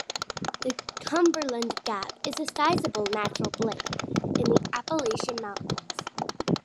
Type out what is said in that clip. The Cumberland Gap is a sizable natural break in the Appalachian Mountains.